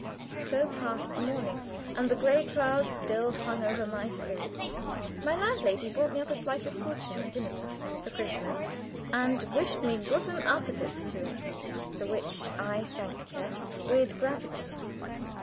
_ So passed the morning, and the gray cloud still hung over my spirits. My landlady brought me a slice of kuchen at dinner time, for Christmas, and wished me guten appetit to it, for which I thanked her with gravity.